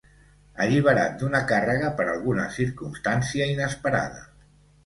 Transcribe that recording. Alliberat d'una càrrega per alguna circumstància inesperada.